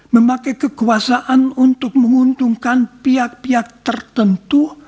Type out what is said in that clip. memakai kekuasaan untuk menguntungkan pihak pihak tertentu